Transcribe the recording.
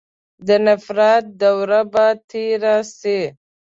د نفرت دوره به تېره سي.